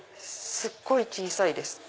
すっごい小さいです。